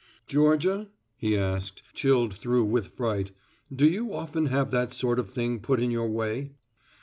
"Georgia," he asked, chilled through with fright, "do you often have that sort of thing put in your way?"